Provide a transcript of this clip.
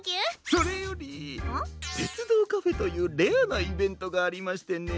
それよりてつどうカフェというレアなイベントがありましてね。